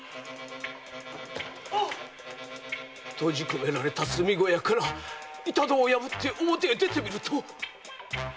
閉じこめられた小屋から板戸を破って表へ出てみると。